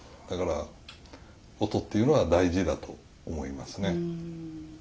だから音っていうのは大事だと思いますね。